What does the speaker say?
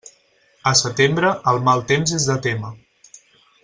A setembre, el mal temps és de témer.